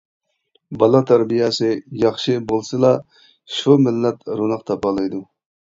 بالا تەربىيەسى ياخشى بولسىلا شۇ مىللەت روناق تاپالايدۇ.